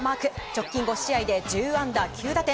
直近５試合で１９安打９打点。